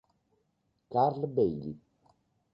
Carl Bailey